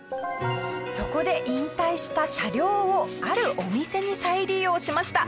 そこで引退した車両をあるお店に再利用しました。